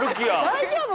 大丈夫？